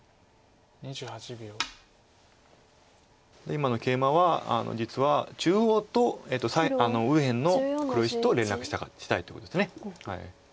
今のケイマは実は中央と右辺の黒石と連絡したいってことです。